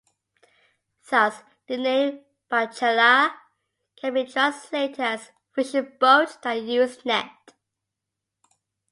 Thus the name "pajala" can be translated as "fishing boat that use net".